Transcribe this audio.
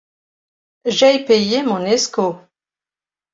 j'ay payé mon escot.